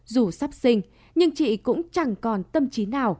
dù sắp sinh nhưng chị cũng chẳng còn tâm trí nào